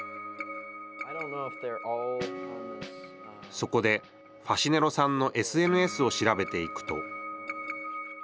そこで、ファシネロさんのＳＮＳを調べていくと。